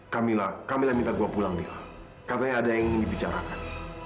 kak mila kak mila minta gua pulang mila katanya ada yang ingin dibicarakan